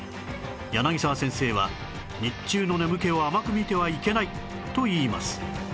柳沢先生は日中の眠気を甘く見てはいけないと言います